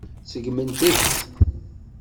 Seggment-t.